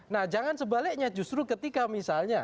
nah jangan sebaliknya justru ketika misalnya